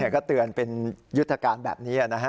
ก็เตือนเป็นยุทธการแบบนี้นะฮะ